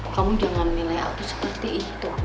kamu jangan menilai aku seperti itu